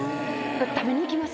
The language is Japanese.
食べに行きます。